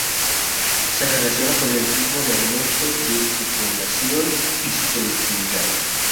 Se relaciona con el ritmo de aumento de su población y su productividad.